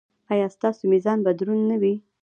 ایا ستاسو میزان به دروند نه وي؟